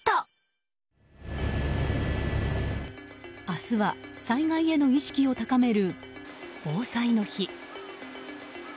明日は、災害への意識を高める防災の日。